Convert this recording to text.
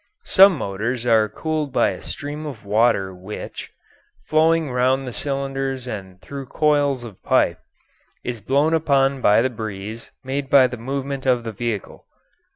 Some motors are cooled by a stream of water which, flowing round the cylinders and through coils of pipe, is blown upon by the breeze made by the movement of the vehicle.